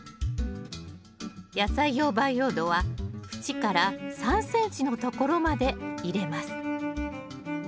野菜用培養土は縁から３ｃｍのところまで入れます